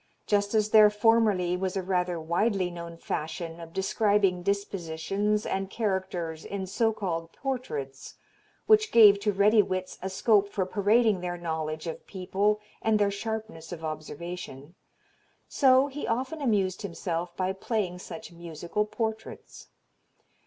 Just as there formerly was a rather widely known fashion of describing dispositions and characters in so called 'portraits,' which gave to ready wits a scope for parading their knowledge of people and their sharpness of observation; so he often amused himself by playing such musical portraits.